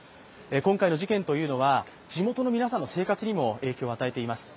今回の事件は地元の皆さんの生活にも影響を与えています。